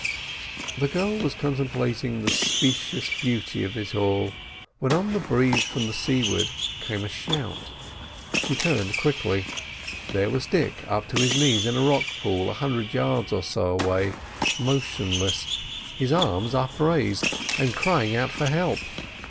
'" The girl was contemplating the specious beauty of it all, when on the breeze from seaward came a shout. She turned quickly. There was Dick up to his knees in a rock pool a hundred yards or so away, motionless, his arms upraised, and crying out for help.